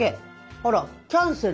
あら「キャンセル」。